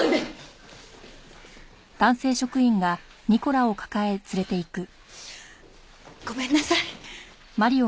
ああごめんなさい。